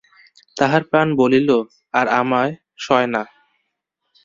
তাঁহার প্রাণ বলিল, আর আমার সয় না।